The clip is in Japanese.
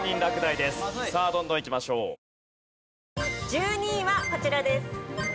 １２位はこちらです。